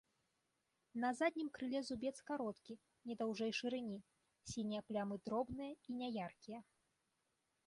На заднім крыле зубец кароткі, не даўжэй шырыні, сінія плямы дробныя і няяркія.